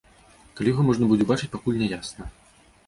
Калі яго можна будзе ўбачыць, пакуль не ясна.